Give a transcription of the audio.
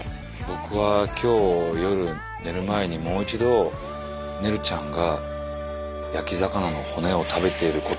僕は今日夜寝る前にもう一度ねるちゃんが焼き魚の骨を食べていることを思い出すと思います。